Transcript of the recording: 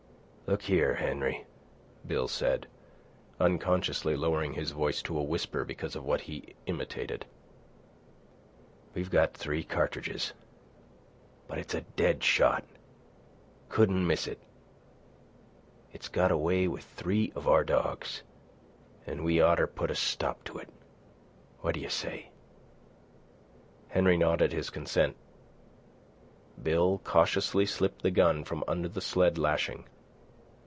"Look here, Henry," Bill said, unconsciously lowering his voice to a whisper because of what he imitated. "We've got three cartridges. But it's a dead shot. Couldn't miss it. It's got away with three of our dogs, an' we oughter put a stop to it. What d'ye say?" Henry nodded his consent. Bill cautiously slipped the gun from under the sled lashing.